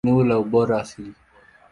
Eneo la ubora asili.